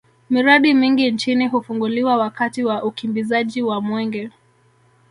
miradi mingi nchini hufunguliwa wakati wa ukimbizaji wa mwenge